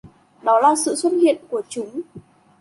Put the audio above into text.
Đó là sự xuất hiện của chúng